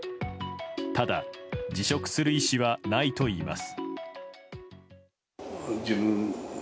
ただ、辞職する意思はないといいます。